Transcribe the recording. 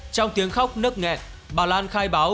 trong tiếng khóc nức nghẹn bà lan khai báo